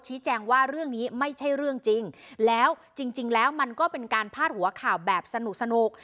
แจ้งว่าเรื่องนี้ไม่ใช่เรื่องจริงแล้วจริงแล้วมันก็เป็นการพาดหัวข่าวแบบสนุกสนุก